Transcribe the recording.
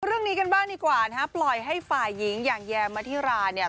เรื่องนี้กันบ้างดีกว่านะฮะปล่อยให้ฝ่ายหญิงอย่างแยมมาธิราเนี่ย